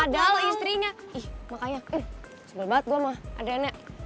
padahal istrinya ih makanya sebel banget gue sama adriana